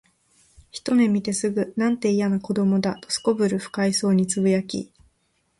ひとめ見てすぐ、「なんて、いやな子供だ」と頗る不快そうに呟き、